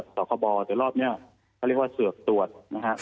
แล้วทำลายละกับบอลแต่รอบเนี่ยก็เรียกว่าเสือบตรวจนะครับ